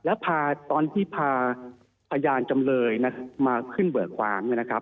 แล้วพาตอนที่พาพยานจำเลยมาขึ้นเบิกความเนี่ยนะครับ